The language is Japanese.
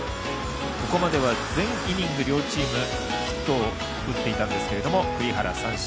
ここまでは全イニング両チームヒットを打っていたんですけども栗原三振。